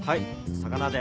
魚で。